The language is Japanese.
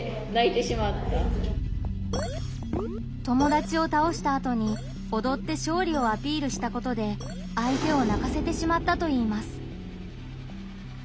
友達を倒したあとにおどって勝利をアピールしたことで相手を泣かせてしまったといいます。